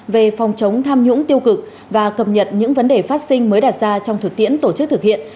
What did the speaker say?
về phòng chống tham nhũng tiêu cực và cập nhật những vấn đề phát sinh mới đạt ra trong thực tiễn tổ chức thực hiện